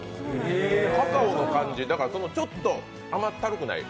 カカオの感じ、ちょっと甘ったるくない。